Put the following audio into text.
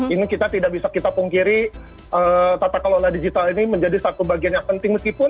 ini kita tidak bisa kita pungkiri peta kelola digital ini menjadi satu bagian dari ekosistem yang kita pikirkan